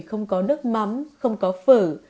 không có nước mắm không có phở